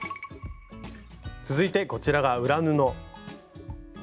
続いてこちらが裏布。